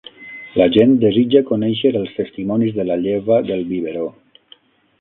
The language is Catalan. La gent desitja conèixer els testimonis de la Lleva del Biberó.